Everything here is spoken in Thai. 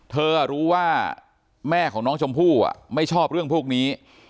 เธอรู้ว่าแม่ของน้องชมพู่ไม่ชอบเรื่องพวกนี้